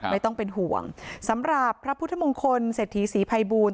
ไม่ต้องเป็นห่วงสำหรับพระพุทธมงคลเศรษฐีศรีภัยบูรณ